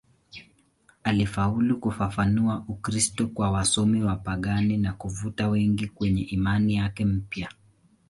Alifaulu kufafanua Ukristo kwa wasomi wapagani na kuvuta wengi kwenye imani yake mpya.